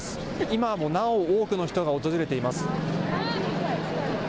今もなお、多くの人が訪れています。